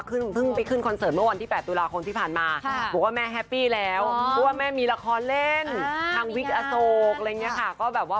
ตอนนี้คือแบบอาจจะมีข้าวแบบว่า